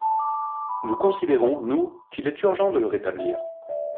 Nous considérons, nous, qu’il est urgent de la rétablir.